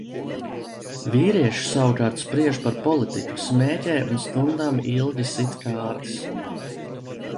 Vīrieši savukārt spriež par politiku, smēķē un stundām ilgi sit kārtis.